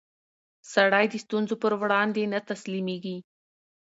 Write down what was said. سړی د ستونزو پر وړاندې نه تسلیمېږي